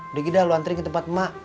udah gila lu anterin ke tempat emak